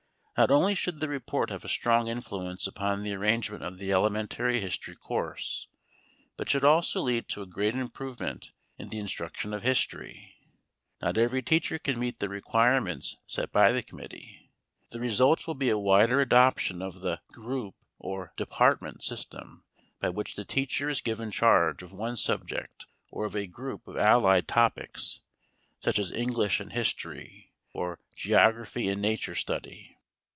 Not only should the report have a strong influence upon the arrangement of the elementary history course, but it should also lead to a great improvement in the instruction of history. Not every teacher can meet the requirements set by the committee; the result will be a wider adoption of the "group" or "department" system, by which the teacher is given charge of one subject or of a group of allied topics, such as English and history, or geography and nature study.